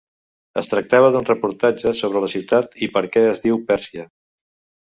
Es tractava d'un reportatge sobre la ciutat i per què es diu Persia.